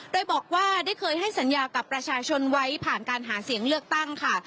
โดยบอกว่าได้เคยให้สัญญากับประชาชนไว้ผ่านการหาเสียงเลือกตั้งค่ะ